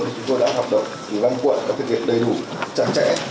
chúng tôi đã hoạt động văn quận các thực hiện đầy đủ chặt chẽ